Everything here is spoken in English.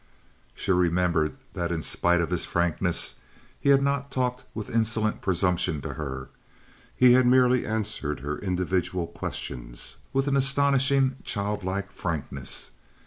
She remembered that in spite of his frankness he had not talked with insolent presumption to her. He had merely answered her individual questions with an astonishing, childlike frankness.